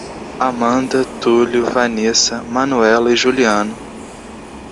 Amanda, Tulio, Vanessa, Manoela e Juliano